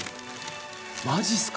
マジっすか？